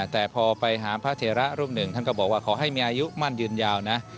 แต่พอไปหาพระเทระรูปหนึ่งท่านก็บอกว่าขอให้มีอายุมั่นยืนยาวนะ